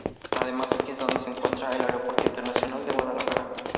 Además aquí es donde se encuentra el Aeropuerto Internacional de Guadalajara.